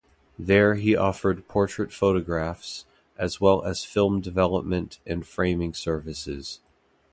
There, he offered portrait photographs, as well as film development and framing services.